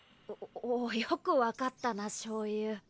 おおおよくわかったなしょうゆ。